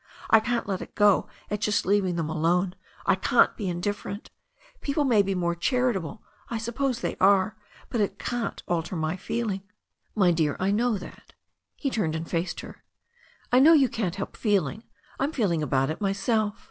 I can't let it go at just leaving them alone — I can't be indifferent. People may be more charitable — I suppose they are — ^but it can't alter my feeling." "My dear, I know that." He turned and faced her. "I know you can't help feeling. I'm feeling about it myself.